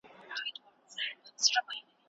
شپږ منفي يو؛ پنځه پاته کېږي.